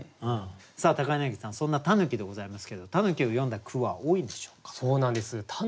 さあ柳さんそんな狸でございますけれど狸を詠んだ句は多いんでしょうか？